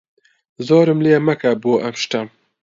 زۆرم لێ مەکە بۆ ئەم شتە.